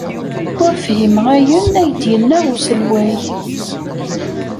Ur fhimeɣ ayen ay d-yenna uselway.